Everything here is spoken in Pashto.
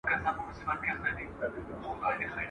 وچي په خندا کړې حقيقته!